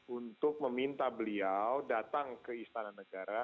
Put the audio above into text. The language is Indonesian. untuk meminta beliau datang ke istana negara